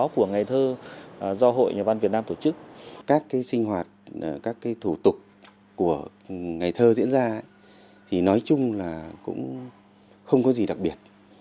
các cái sinh hoạt các cái thủ tục của ngày thơ diễn ra thì nói chung là cũng không có gì đặc biệt